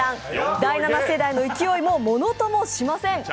第７世代の勢いも物ともしません。